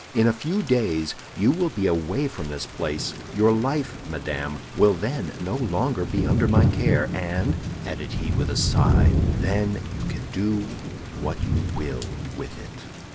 In a few days you will be away from this place; your life, madame, will then no longer be under my care, and," added he, with a sigh, "then you can do what you will with it."